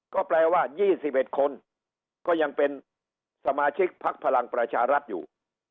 ก็แปลว่า๒๑คนก็ยังเป็นสมาชิกพักพลังประชารัฐอยู่